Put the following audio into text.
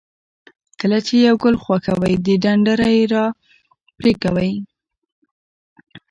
کله چې یو ګل خوښوئ د ډنډره یې را پرې کوئ.